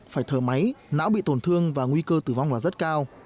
phải thở máy não bị tổn thương và nguy cơ tử vong là rất cao